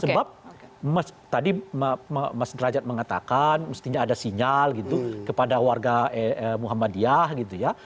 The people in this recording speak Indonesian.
sebab tadi mas derajat mengatakan mestinya ada sinyal gitu kepada warga muhammadiyah gitu ya